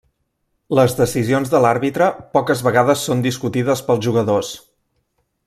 Les decisions de l'àrbitre poques vegades són discutides pels jugadors.